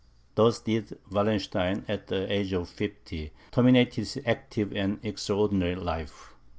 Thus did Wallenstein, at the age of fifty, terminate his active and extraordinary life.